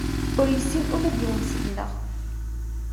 Ur yessin ula d yiwen seg-neɣ.